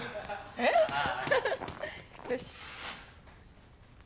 よし。